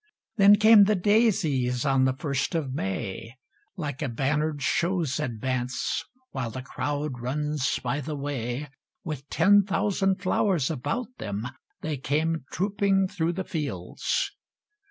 Then came the daisies, On the first of May, Like a banner'd show's advance While the crowd runs by the way, With ten thousand flowers about them they came trooping through the fields.